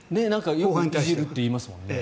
よくいじるって言いますもんね。